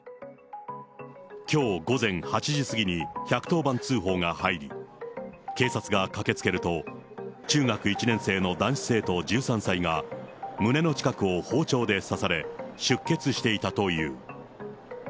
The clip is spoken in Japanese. きょう午前８時過ぎに１１０番通報が入り、警察が駆けつけると、中学１年生の男子生徒１３歳が、胸の近くを包丁で刺され、出血していたという。